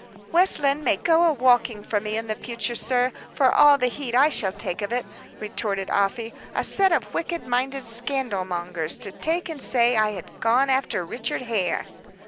"West Lynne may go a walking for me in future, sir, for all the heed I shall take of it," retorted Afy. "A set of wicked minded scandal mongers, to take and say I had gone after Richard Hare!"